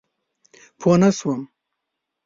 پوه نه شوم؟